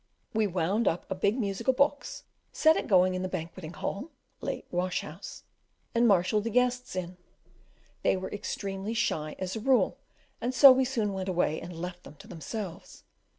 We wound up a big musical box, set it going in the banqueting hall (late washhouse), and marshalled the guests in they were extremely shy as a rule, and so we soon went away and left them to themselves.